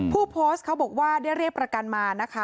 ผู้โพสต์เขาบอกว่าได้เรียกประกันมานะคะ